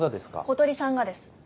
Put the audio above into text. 小鳥さんがです。